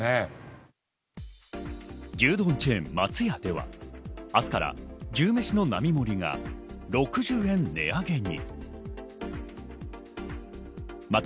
牛丼チェーン松屋では明日から牛めしの並盛が６０円値上げに。